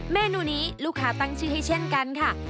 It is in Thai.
เมนูนี้ลูกค้าตั้งชื่อให้เช่นกันค่ะ